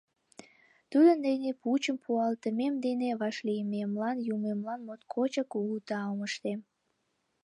Тудын дене, пучым пуалтышем дене, вашлиймемлан Юмемлан моткочак кугу таум ыштем.